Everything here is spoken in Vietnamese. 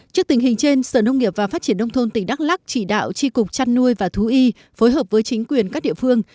trước tình hình trên sở nông nghiệp và phát triển nông thôn tỉnh đắk lắc chỉ đạo tri cục trăn nuôi và thú y phối hợp với chính quyền các địa phương